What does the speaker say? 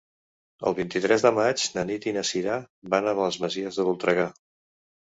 El vint-i-tres de maig na Nit i na Cira van a les Masies de Voltregà.